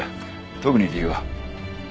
特に理由は。